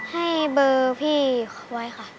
ให้เบอร์พี่ไว้ค่ะ